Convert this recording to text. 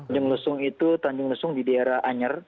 tanjung lusung itu tanjung lusung di daerah anyer